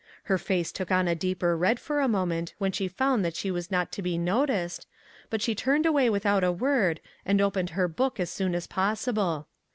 Her face took on a deeper red for a mo ment when she found that she was not to be noticed, but she turned away without a word, and opened her book as soon as possible.